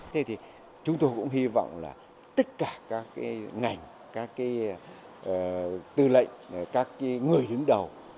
thế thì chúng tôi cũng hy vọng là tất cả các ngành các cái tư lệnh các cái người đứng đầu